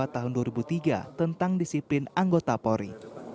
yang diberikan pada tahun dua ribu tiga tentang disiplin anggota polri